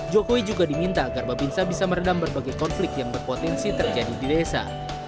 jokowi juga diminta agar babinsa bisa meredam berbagai konflik yang berpotensi terjadi di desa